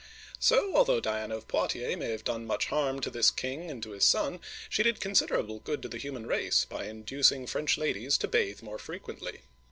" So, although Diana of Poitiers may have done much harm to this king and to his son, she did considerable good to the human race by inducing French ladies to bathe more frequently.